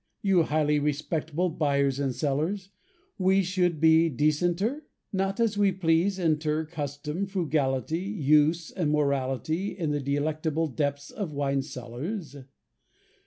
You highly respectable Buyers and sellers? We should be decenter? Not as we please inter Custom, frugality, Use and morality In the delectable Depths of wine cellars?